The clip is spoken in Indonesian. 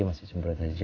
masih sembarang saja